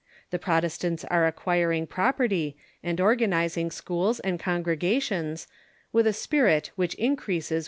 The Protestants are acquiring property, and organizing schools and congregations, with a spirit which increases with See 'The Independent, Dec.